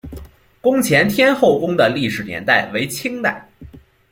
宫前天后宫的历史年代为清代。